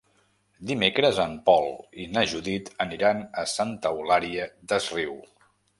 Dimecres en Pol i na Judit aniran a Santa Eulària des Riu.